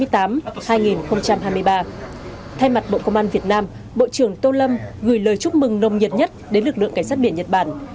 thay mặt bộ công an việt nam bộ trưởng tô lâm gửi lời chúc mừng nồng nhiệt nhất đến lực lượng cảnh sát biển nhật bản